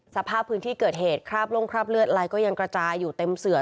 สภาพพื้นที่เกิดเหตุคราบลงคราบเลือดอะไรก็ยังกระจายอยู่เต็มเสือ